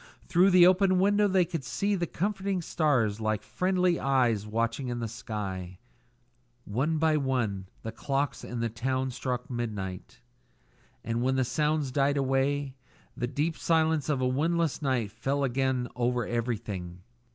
Through the open window they could see the comforting stars like friendly eyes watching in the sky. One by one the clocks of the town struck midnight, and when the sounds died away the deep silence of a windless night fell again over everything.